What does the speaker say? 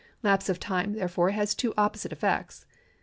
Lapse of time, therefore, has two opposite effects.